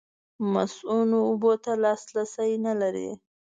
مصؤنو اوبو ته لاسرسی نه لري.